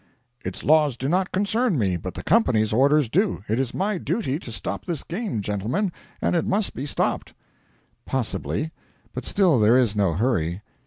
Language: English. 'Its laws do not concern me, but the company's orders do. It is my duty to stop this game, gentlemen, and it must be stopped.' 'Possibly; but still there is no hurry.